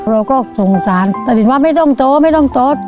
เราก็ทรงจานตะเด็นว่าไม่ต้องโทษไม่ต้องโทษ